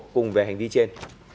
cùng về hành vi trên